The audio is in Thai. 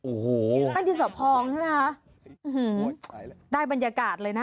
โอ้โฮมันยืนสะพองใช่ไหมครับได้บรรยากาศเลยนะ